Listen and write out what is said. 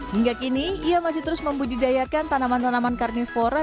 hingga kini ia masih terus membudidayakan tanaman tanaman karnivora